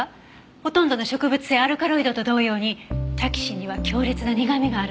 ほとんどの植物性アルカロイドと同様にタキシンには強烈な苦味があるの。